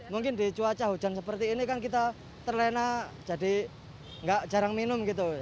mungkin di cuaca hujan seperti ini kan kita terlena jadi jarang minum gitu